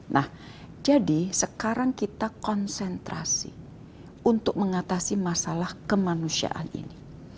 nah jadi sekarang kita konsentrasi untuk mengatasi masalah kemanusiaan ini